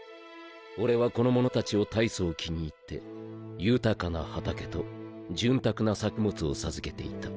俺はこの者達をたいそう気に入って豊かな畑と潤沢な作物を授けていた。